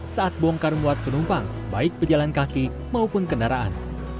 saat bongkar muat penumpang baik pejalan kaki maupun kendaraan